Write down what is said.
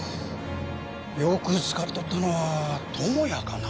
よく使っとったのは友也かな？